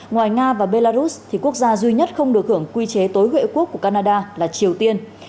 ngoài nga và belarus thì quốc gia duy nhất không được hưởng quy chế tối huệ quốc của canada là triều tiên